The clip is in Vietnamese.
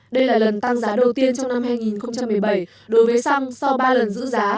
đây là lần tăng giá đầu tiên trong năm hai nghìn một mươi bảy đối với xăng sau ba lần giữ giá